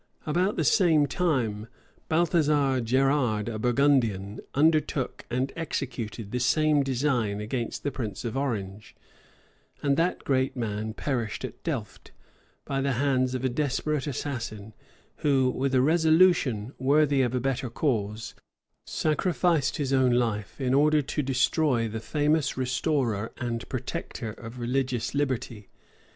About the same time, Baltazar Gerard, a Burgundian, undertook and executed the same design against the prince of Orange; and that great man perished at Delft, by the hands of a desperate assassin, who, with a resolution worthy of a better cause, sacrificed his own life, in order to destroy the famous restorer and protector of religious liberty.